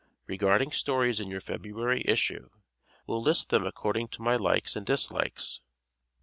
Regarding stories in your February issue, will list them according to my likes and dislikes.